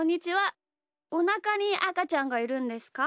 おなかにあかちゃんがいるんですか？